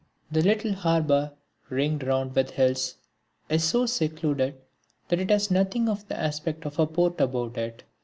The little harbour, ringed round with hills, is so secluded that it has nothing of the aspect of a port about it.